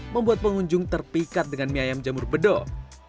membuat pengunjung terpikat dengan mie ayam jamur bedok